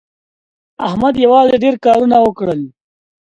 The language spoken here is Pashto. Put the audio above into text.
احمد یوازې ډېر کارونه وکړل.